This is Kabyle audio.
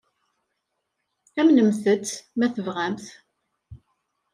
Amnemt-tt, ma tebɣamt.